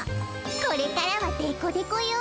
これからはデコデコよ。